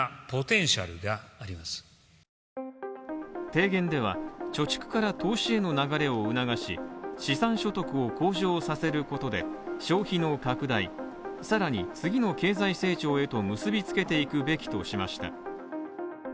提言では、貯蓄から投資への流れを促し、資産所得を向上させることで、消費の拡大、さらに次の経済成長へと結び付けていくべきとしました。